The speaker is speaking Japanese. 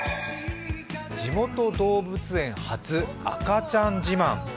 地元動物園発赤ちゃん自慢。